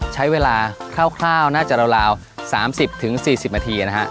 ใช้เวลาคร่าวน่าจะราว๓๐๔๐มนะครับ